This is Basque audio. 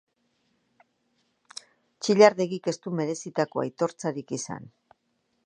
Txillardegik ez du merezitako aitortzarik izan.